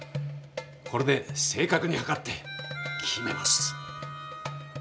これで正確に測って決めます。